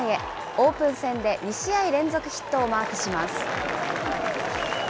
オープン戦で２試合連続ヒットをマークします。